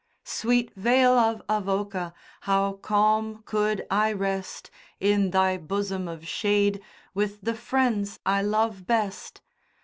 Sweet vale of Avoca! how calm could I rest In thy bosom of shade, with the friends I love best.